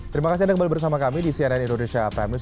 terima kasih anda kembali bersama kami di cnn indonesia prime news